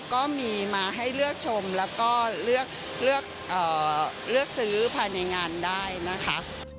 ก็มีมาให้เลือกชมแล้วก็เลือกซื้อภายในงานได้นะคะ